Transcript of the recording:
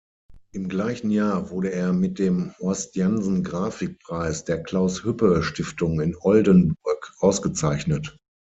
Im gleichen Jahr wurde er mit dem „Horst-Janssen-Grafikpreis der Claus Hüppe-Stiftung“ in Oldenburg ausgezeichnet.